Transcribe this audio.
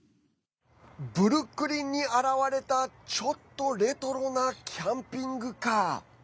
ブルックリンに現れたちょっとレトロなキャンピングカー。